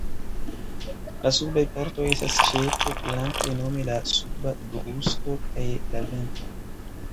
La subaj partoj estas ĉefe blankaj nome la suba brusto kaj la ventro.